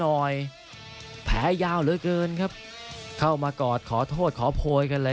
แผลยาวเหลือเกินครับเข้ามากอดขอโทษขอโพยกันเลย